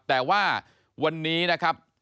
แต่ว่าวันนี้นะครับ